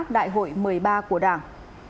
đại hội một mươi ba của đảng